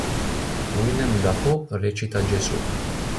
Willem Dafoe recita Gesù.